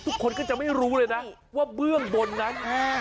ทุกคนก็จะไม่รู้เลยนะว่าเบื้องบนนั้น